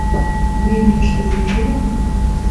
Мыйым тыште вучы-ян.